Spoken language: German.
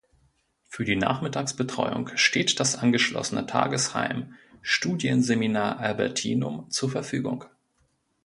Für die Nachmittagsbetreuung steht das angeschlossene Tagesheim "Studienseminar Albertinum" zur Verfügung.